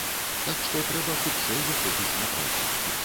Так што трэба хутчэй выходзіць на працу.